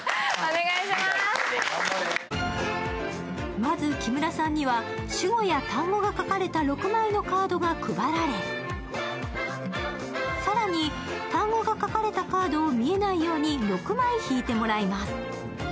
まず、木村さんには主語や単語が書かれた６枚のカードが配られ、更に、単語が書かれたカードを見えないように６枚引いてもらいます。